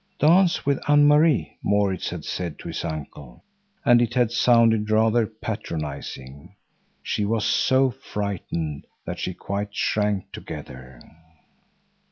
"Dance with Anne Marie," Maurits had said to his uncle, and it had sounded rather patronising. She was so frightened that she quite shrank together.